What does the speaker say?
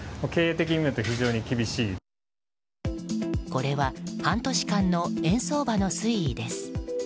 これは半年間の円相場の推移です。